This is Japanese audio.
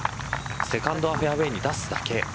セカンドはフェアウエーに出すだけ。